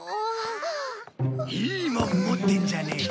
いいもん持ってんじゃねえか。